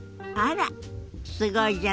すごいじゃない。